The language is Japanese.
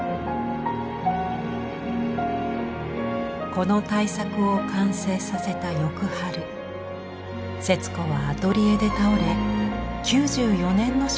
この大作を完成させた翌春節子はアトリエで倒れ９４年の生涯を閉じました。